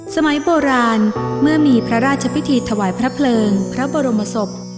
สมัยโบราณเมื่อมีพระราชพิธีถวายพระเพลิงพระบรมศพ